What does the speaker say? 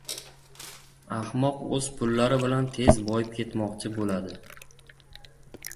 • Ahmoq o‘z pullari bilan tez boyib ketmoqchi bo‘ladi.